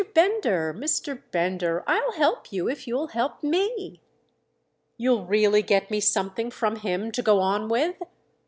Bender, Mr. Bender, I'll help you if you'll help me!" "You'll really get me something from him to go on with?"